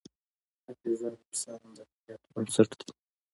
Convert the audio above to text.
حافظه د انسان د هویت بنسټ ده.